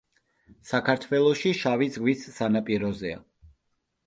საქართველოში შავი ზღვის სანაპიროზეა.